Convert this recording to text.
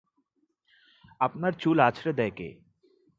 আপনার চুল আঁচড়ে দেয় কে?